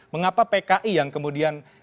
mengapa pki yang kemudian